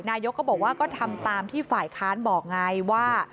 นายกก็บอกว่าก็ทำตามที่ฝ่ายค้านบอกไงว่า